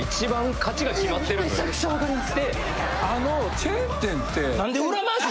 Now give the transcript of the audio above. めちゃくちゃわかります。